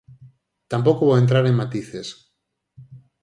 Tampouco vou entrar en matices.